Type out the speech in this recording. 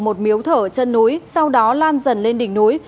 một miếu thở chân núi sau đó lan dần lên đỉnh núi